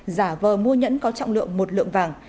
giả vờ mua nhẫn có trọng lượng một lượng vàng